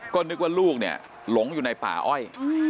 ก็นึกว่าลูกเนี่ยหลงอยู่ในป่าอ้อย